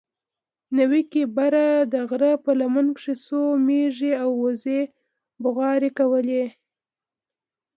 نوكي بره د غره په لمن کښې څو مېږو او وزو بوغارې کولې.